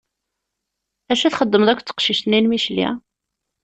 Acu i txeddmeḍ akked teqcict-nni n Micli?